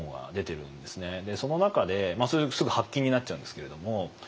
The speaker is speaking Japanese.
その中でそれすぐ発禁になっちゃうんですけれども。